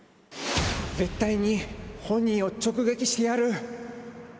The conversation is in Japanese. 絶対に本人を直撃してやる。